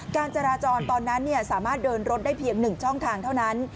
การจราจรตอนนั้นสามารถเดินรถได้เพียง๑ช่องทางเท่านั้น